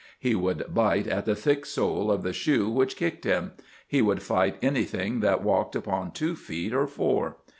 He would bite at the thick sole of the shoe which kicked him; he would fight anything that walked upon two feet or four.